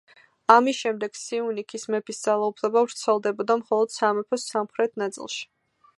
ამის შემდეგ სიუნიქის მეფის ძალაუფლება ვრცელდებოდა მხოლოდ სამეფოს სამხრეთ ნაწილში.